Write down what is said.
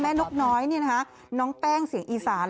แม่นกน้อยนี่นะคะน้องแป้งเสียงอีสาน